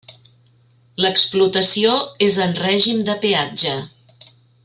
L'explotació és en règim de peatge.